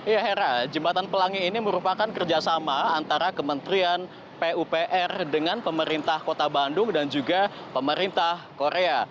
ya hera jembatan pelangi ini merupakan kerjasama antara kementerian pupr dengan pemerintah kota bandung dan juga pemerintah korea